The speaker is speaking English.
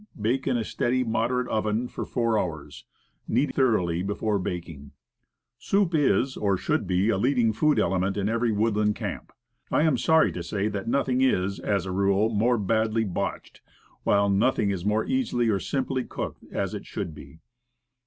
Bake in a steady, moder ate oven, for four hours. Knead thoroughly before baking. 104 Woodcraft. Soup is, or should be, a leading food element in every woodland camp. I am sorry to say that nothing is, as a rule, more badly botched, while nothing is more easily or simply cooked as it should be.